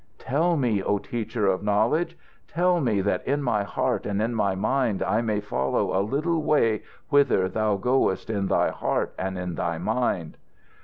"Tell me, O Teacher of Knowledge tell me that in my heart and in my mind I may follow a little way whither thou goest in thy heart and in thy mind!"